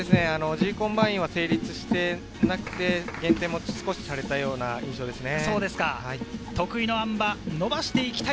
Ｇコンバインは成立していなくて、少し減点もされている印象ですね。